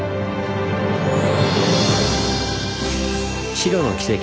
「白の奇跡」